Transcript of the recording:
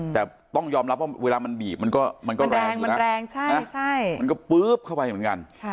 แต่ต้องยอมรับว่าเวลามันบีบมันก็แรงมันแรงใช่มันก็ปื๊บเข้าไปเหมือนกัน